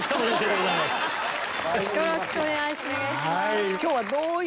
よろしくお願いします。